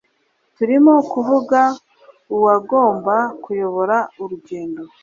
Turimo kuvuga uwagomba kuyobora urugendo